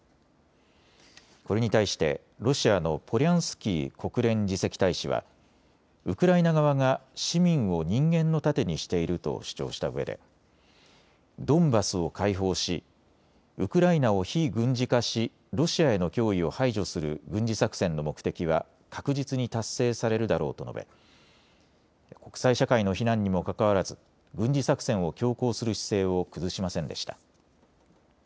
これに対してロシアのポリャンスキー国連次席大使はウクライナ側が市民を人間の盾にしていると主張したうえでドンバスを解放しウクライナを非軍事化しロシアへの脅威を排除する軍事作戦の目的は確実に達成されるだろうと述べ国際社会の非難にもかかわらず軍事作戦を強行する姿勢を崩しませんでした。